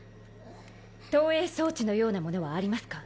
投影装置のようなものはありますか？